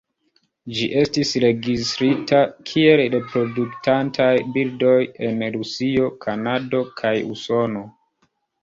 Ĝi estis registrita kiel reproduktantaj birdoj en Rusio, Kanado kaj Usono.